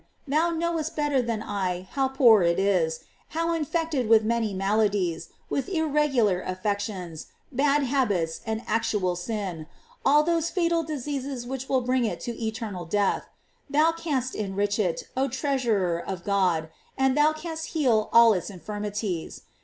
thou knowest better than I how poor it is, how infect ed with many maladies, with irregular affections, bad habits, and actual sin, all those fatal diseases which will bring it to eternal death. Thou canst enrich it, oh treasurer of God ! and thoa canst heal all its infirmities.